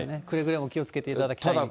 くれぐれも気をつけていただきたい。